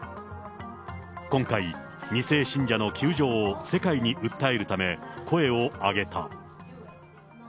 今回、２世信者の窮状を、世界に訴えるため、声を上げた。